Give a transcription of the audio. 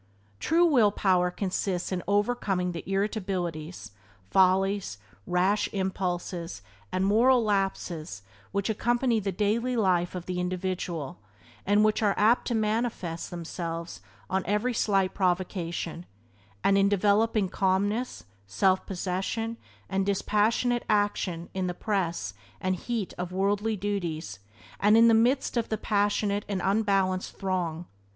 True will power consists in overcoming the irritabilities, follies, rash impulses and moral lapses which accompany the daily life of the individual, and which are apt to manifest themselves on every slight provocation; and in developing calmness, self possession, and Byways to Blessedness by James Allen 10 dispassionate action in the press and heat of worldly duties, and in the midst of the passionate and unbalanced throng.